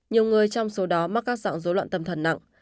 nhiều người trong số đó mắc các dạng dối loạn tâm thần nặng